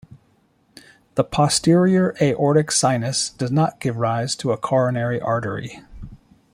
The posterior aortic sinus does not give rise to a coronary artery.